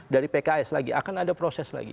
dari pks lagi akan ada proses lagi